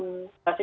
nah sejak januari